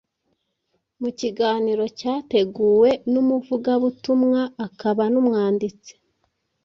Mu kiganiro cyateguwe n’Umuvugabutumwa akaba n’umwanditsi